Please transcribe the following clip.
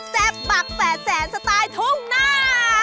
แซปปั๊กแปดแสนสถายทุ่งหน้า